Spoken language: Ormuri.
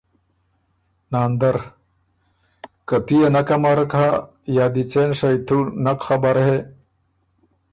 ناندر ـــ” که تُو يې نک امرک هۀ یا دی څېن شئ تُو نک خبر هې